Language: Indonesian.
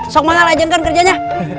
sok mana lajeng kan kerjanya